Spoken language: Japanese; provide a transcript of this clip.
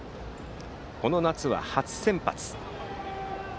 この夏は初先発。